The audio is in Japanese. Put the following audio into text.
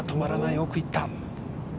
奥に行った。